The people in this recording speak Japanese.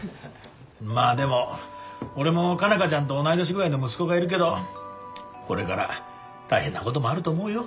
まあでも俺も佳奈花ちゃんと同い年ぐらいの息子がいるけどこれから大変なこともあると思うよ。